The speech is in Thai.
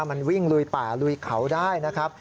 มันวิ่งลุยป่าลุยเขาได้นะครับ